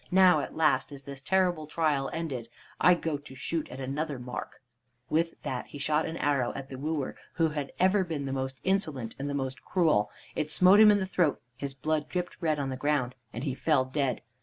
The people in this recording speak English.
Now, at last, is this terrible trial ended. I go to shoot at another mark!" With that he shot an arrow at the wooer who had ever been the most insolent and the most cruel. It smote him in the throat, his blood dripped red on the ground, and he fell dead.